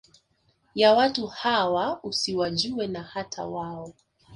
ya watu hawa usiwajue na hata wao